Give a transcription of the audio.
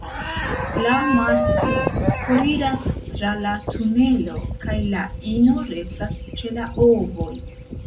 La masklo foriras tra la tunelo, kaj la ino restas ĉe la ovoj.